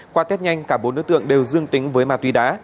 qua tết nhanh cả bốn đối tượng đều dương tính với ma túy đá